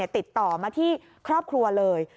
ติดต่อมาที่ครอบครัวเลย